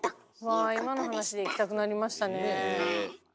わあ今の話で行きたくなりましたね。